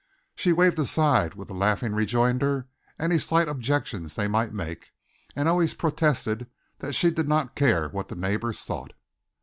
She waved aside with a laughing rejoinder any slight objections they might make, and always protested that she did not care what the neighbors thought.